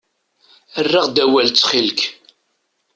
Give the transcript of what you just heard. Err-aɣ-d awal, ttxil-k.